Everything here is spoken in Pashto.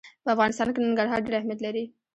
په افغانستان کې ننګرهار ډېر اهمیت لري.